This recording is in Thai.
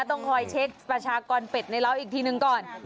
ต้องคอยเช็คประชากรเป็ดในร้าวอีกทีหนึ่งก่อน